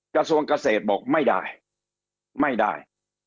กระทบกระเศษบอกไม่ได้ไม่ได้